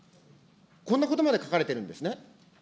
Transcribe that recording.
こんなことまで書かれてるんですね。